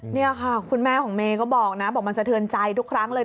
นี่ค่ะคุณแม่ของเมย์ก็บอกนะบอกมันสะเทือนใจทุกครั้งเลย